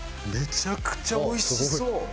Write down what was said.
めちゃくちゃおいしそう！